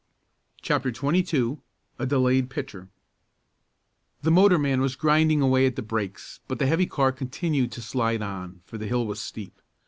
CHAPTER XXII A DELAYED PITCHER The motorman was grinding away at the brakes but the heavy car continued to slide on, for the hill was steep.